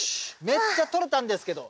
めっちゃとれたんですけど！